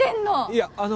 いやあの。